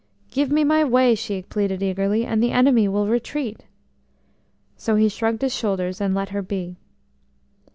"Give me my way," she pleaded eagerly, "and the enemy will retreat." So he shrugged his shoulders and let her be.